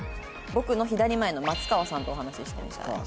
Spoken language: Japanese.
「僕の左前の松川さんとお話ししてみたい」。